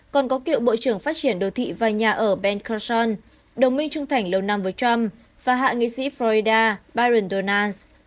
còn có cựu bộ trưởng phát triển đô thị và nhà ở ben carson đồng minh trung thành lâu năm với trump và hạ nghị sĩ florida byron donans